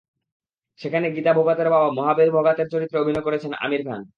সেখানে গিতা ভোগাতের বাবা মহাবীর ভোগাতের চরিত্রে অভিনয় করেছেন আমির খান।